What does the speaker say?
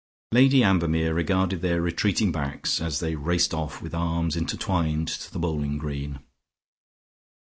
Lady Ambermere regarded their retreating backs, as they raced off with arms intertwined to the bowling green.